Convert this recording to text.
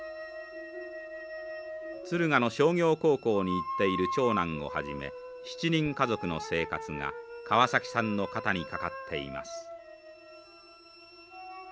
敦賀の商業高校に行っている長男をはじめ７人家族の生活が川崎さんの肩にかかっています。